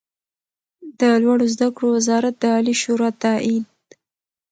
د لوړو زده کړو وزارت د عالي شورا تائید